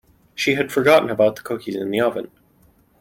She had forgotten about the cookies in the oven.